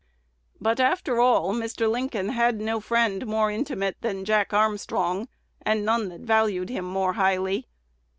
But, after all, Mr. Lincoln had no friend more intimate than Jack Armstrong, and none that valued him more highly.